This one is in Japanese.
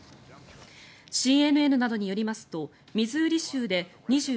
ＣＮＮなどによりますとミズーリ州で２７日